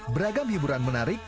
beragam hiburan menarik